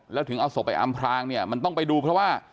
แล้วถึงเอาศพไปอำพรางเนี่ยมันต้องไปดูเพราะว่า